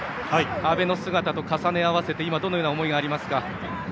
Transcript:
阿部の姿と重ね合わせて今、どんな思いがありますか？